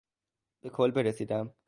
به کلبه رسیدم.